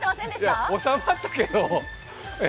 いや、収まったけど。